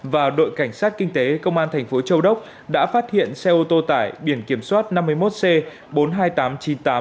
và đội cảnh sát kinh tế công an thành phố châu đốc đã phát hiện xe ô tô tải biển kiểm soát năm mươi một c bốn mươi hai nghìn tám trăm chín mươi tám